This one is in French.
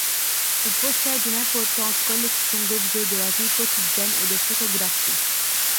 Il possède une importante collection d'objets de la vie quotidienne et de photographies.